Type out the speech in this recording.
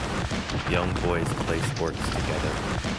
Young boys plays sports together.